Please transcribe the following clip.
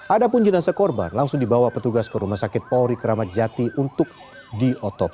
ada pun jenazah korban langsung dibawa petugas ke rumah sakit polri keramat jati untuk diotopsi